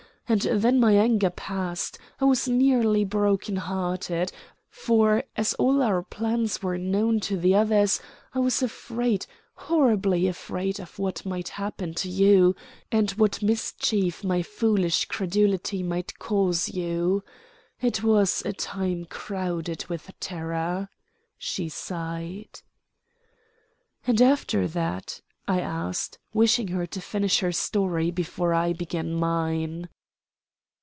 And when my anger passed, I was nearly broken hearted, for, as all our plans were known to the others, I was afraid, horribly afraid, of what might happen to you, and what mischief my foolish credulity might cause you. It was a time crowded with terror," she sighed. "And after that?" I asked, wishing her to finish her story before I began mine.